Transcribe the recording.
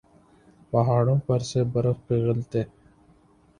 پہاڑوں پر سے برف پگھلتے